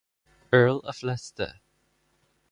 Earl of Leicester.